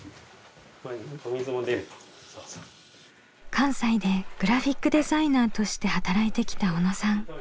関西でグラフィックデザイナーとして働いてきた小野さん。